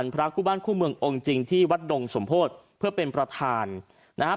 พระคู่บ้านคู่เมืององค์จริงที่วัดดงสมโพธิเพื่อเป็นประธานนะครับ